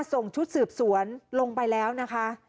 ส่งชุดสืบสวนลงไปแล้วนะคะ